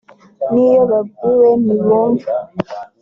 n’iyo babwiwe ntibumvaÂ